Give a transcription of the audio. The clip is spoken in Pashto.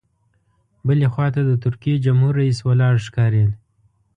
بلې خوا ته د ترکیې جمهور رئیس ولاړ ښکارېد.